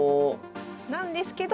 なんですけど。